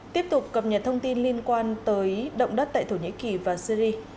tiếp tục cập nhật thông tin liên quan tới động đất tại thổ nhĩ kỳ và syri